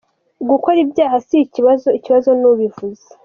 Gukora ibyaha si ikibazo, ikibazo ni ubivuze!